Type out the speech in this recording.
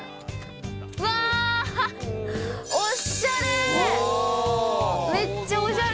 うわー、おしゃれ！